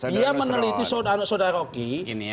dia meneliti saudara rocky